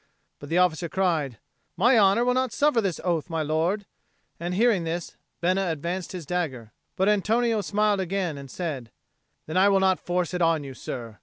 But the officer cried, "My honour will not suffer this oath, my lord." And, hearing this, Bena advanced his dagger. But Antonio smiled again and said, "Then I will not force it on you, sir.